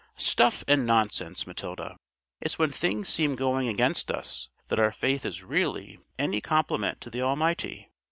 "Stuff and nonsense, Matilda! It's when things seem going against us that our faith is really any compliment to the Almighty.